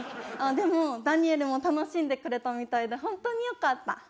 でもダニエルも楽しんでくれたみたいで本当によかった。